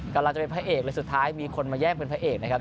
กำลังจะเป็นพระเอกเลยสุดท้ายมีคนมาแยกเป็นพระเอกนะครับ